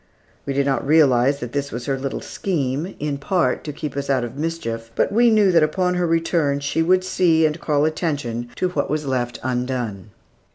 We did not realize that this was her little scheme, in part, to keep us out of mischief; but we knew that upon her return she would see, and call attention to what was left undone.